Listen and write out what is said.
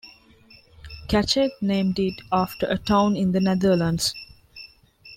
Cachet named it after a town in the Netherlands.